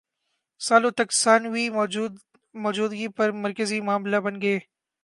سالوں تک ثانوی موجودگی پر مرکزی معاملہ بن گئے